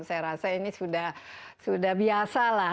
saya rasa ini sudah biasa lah